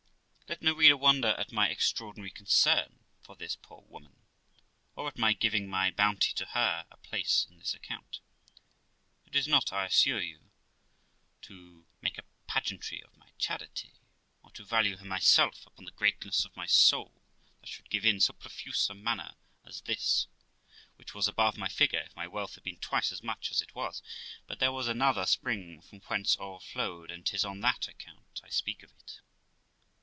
Let no reader wonder at my extraordinary concern for this poor woman, or at my giving my bounty to her a place in this account. It is not, I assure you, to make a pageantry of my charity, or to value myself upon the greatness of my soul, that should give in so profuse a manner as this, which was above my figure, if my wealth had been twice as much as it was; but there was another spring from whence all flowed, and 'tis on that account I speak of it.